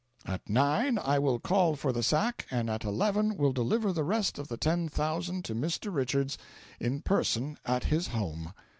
"At nine I will call for the sack, and at eleven will deliver the rest of the ten thousand to Mr. Richards in person at his home.